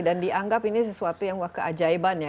dan dianggap ini sesuatu yang keajaiban ya